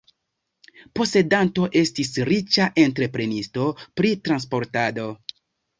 Posedanto estis riĉa entreprenisto pri transportado.